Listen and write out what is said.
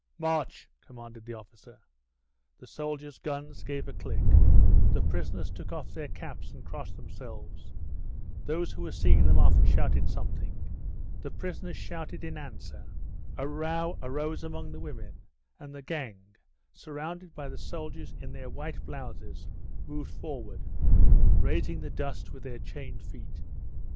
"March," commanded the officer. The soldiers' guns gave a click; the prisoners took off their caps and crossed themselves, those who were seeing them off shouted something, the prisoners shouted in answer, a row arose among the women, and the gang, surrounded by the soldiers in their white blouses, moved forward, raising the dust with their chained feet.